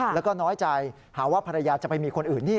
แล้วก็น้อยใจหาว่าภรรยาจะไปมีคนอื่นนี่